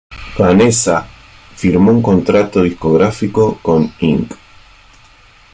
Vanessa firmó un contrato discográfico con Inc.